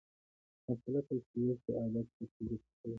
مرسله تشبېه چي ادات پکښي ذکر سوي يي.